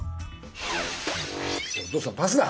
お父さんパスだ！